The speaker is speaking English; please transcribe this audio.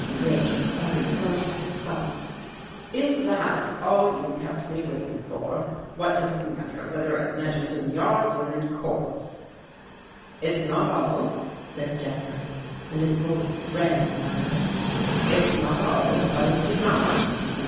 Richards uttered a grunt of disgust. " Is that all you've kept me waiting for? What does it mat ter whether it measures in yards or in quarts?" " It's not all," said Jeffrey, and his voice rang like a bell. " It's not all, but it's enough